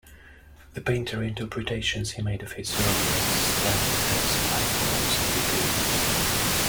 The painterly interpretations he made of his surroundings stand as highpoints of the period.